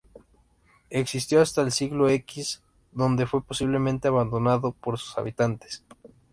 Existió hasta el siglo X, donde fue posiblemente abandonado por sus habitantes.